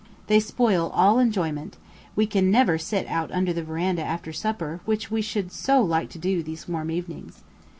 They spoil all enjoyment, we never can sit out under the verandah after supper which we should so like to do these warm evenings.